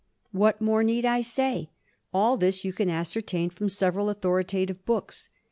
What more need I say? All this you can ascertain from several authoritative books.